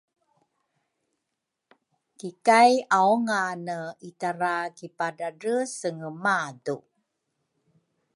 kikay aungane itara kipadradresenge madu.